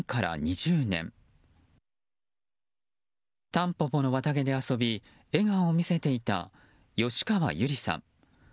タンポポの綿毛で遊び笑顔を見せていた吉川友梨さん。